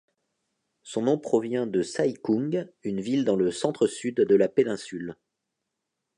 Son nom provient de Sai Kung, une ville dans le centre-sud de la péninsule.